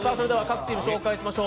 各チーム紹介しましょう。